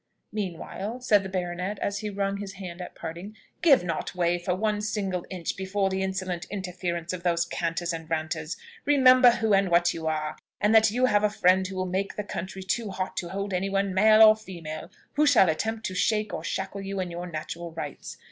"Meanwhile," said the baronet as he wrung his hand at parting, "give not way for one single inch before the insolent interference of these canters and ranters: remember who and what you are, and that you have a friend who will make the county too hot to hold any one, male or female, who shall attempt to shake or shackle you in your natural rights.